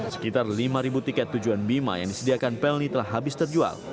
sekitar lima tiket tujuan bima yang disediakan pelni telah habis terjual